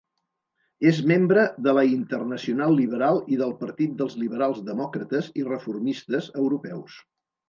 És membre de la Internacional Liberal i del Partit dels Liberals Demòcrates i Reformistes Europeus.